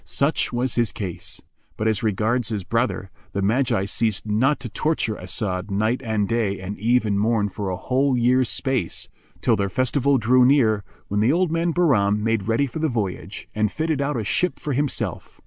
Such was his case; but as regards his brother, the Magi ceased not to torture As'ad night and day and eve and morn for a whole year's space, till their festival drew near, when the old man Bahram[FN#392] made ready for the voyage and fitted out a ship for himself.